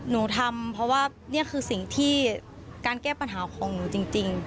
หนูทำเพราะว่านี่คือสิ่งที่การแก้ปัญหาของหนูจริง